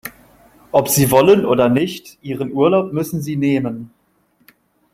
Ob Sie wollen oder nicht, Ihren Urlaub müssen Sie nehmen.